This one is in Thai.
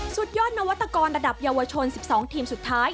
สุดยอดนวัตกรระดับเยาวชน๑๒ทีมสุดท้าย